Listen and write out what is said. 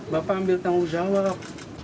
bapak ambil tanggung jawab